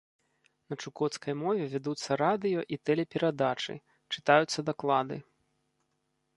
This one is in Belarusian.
На чукоцкай мове вядуцца радыё-і тэлеперадачы, чытаюцца даклады.